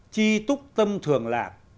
chi túc tâm thường lạc